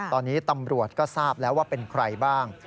ตอนนี้ตำรวจก็ทราบแล้วว่าเป็นใครบ้าง